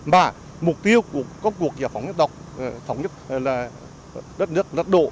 mà mục tiêu của các cuộc giải phóng nhất là đất nước đất độ